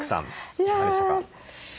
いかがでしたか？